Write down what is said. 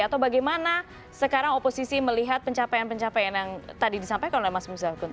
atau bagaimana sekarang oposisi melihat pencapaian pencapaian yang tadi disampaikan oleh mas muzal kun